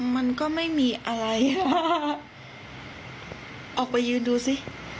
มันก็ไม่มีอะไรว่าออกไปยืนดูสิ